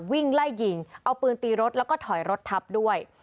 วิ่งไล่ยิงเอาปืนตีรถแล้วก็ถอยรถทับด้วย